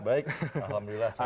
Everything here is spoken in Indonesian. baik alhamdulillah sehat